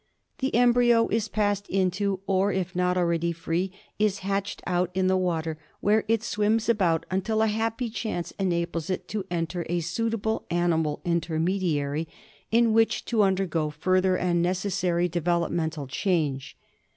The embryo is passed into, or, if not already free, is hatched out in the water, where it swims about until a happy chance enables it to enter a suitable animal intermediary in which to undergo further and necessary developmental change.